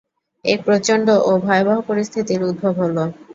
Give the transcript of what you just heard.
এক প্রচণ্ড ও ভয়াবহ পরিস্থিতির উদ্ভব হল।